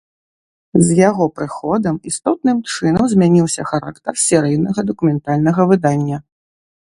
З яго прыходам істотным чынам змяніўся характар серыйнага дакументальнага выдання.